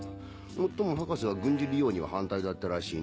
もっとも博士は軍事利用には反対だったらしいな。